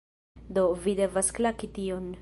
Do, vi devas klaki tion